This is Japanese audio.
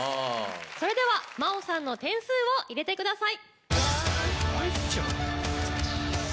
それではＭａｏさんの点数を入れてください。